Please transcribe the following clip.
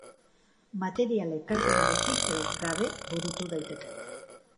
Material ekarpenarekin edo gabe burutu daiteke.